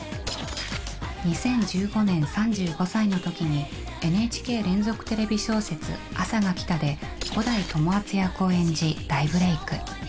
２０１５年３５歳の時にＮＨＫ連続テレビ小説「あさが来た」で五代友厚役を演じ大ブレーク。